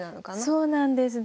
そうなんです